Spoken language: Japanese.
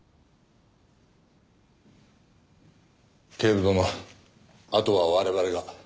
警部殿あとは我々が。